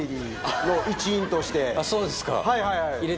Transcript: そうですか。